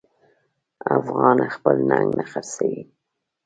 افغان خپل ننګ نه خرڅوي.